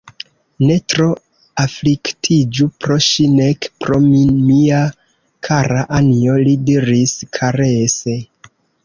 Ne tro afliktiĝu pro ŝi, nek pro mi, mia kara Anjo, li diris karese.